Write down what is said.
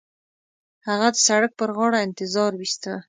هغه د سړک پر غاړه انتظار وېسته.